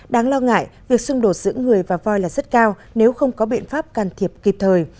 đáng lo ngại việc xung đột giữa người và voi là rất cao nếu không có biện pháp can thiệp kịp thời